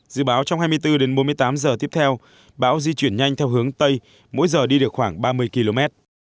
dự báo trong hai mươi bốn đến bốn mươi tám giờ tiếp theo bão di chuyển nhanh theo hướng tây mỗi giờ đi được khoảng ba mươi km